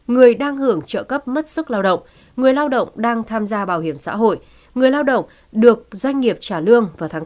người đang hưởng trợ cấp mất sức lao động người lao động đang tham gia bảo hiểm xã hội người lao động được doanh nghiệp trả lương vào tháng bốn